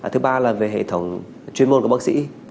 thứ ba là về hệ thống chuyên môn của bác sĩ